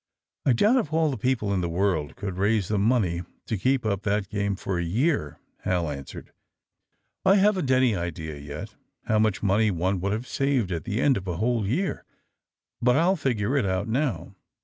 "I doubt if all the people in the world could raise the money to keep up that game for a year, '' Hal answered. '' I haven 't any idea, yet, how inuch money one would have saved at the end of a whole year, but I'll figure it out, now."